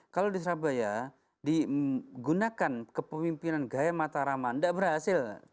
kalau di surabaya digunakan kepemimpinan gaya mataraman tidak berhasil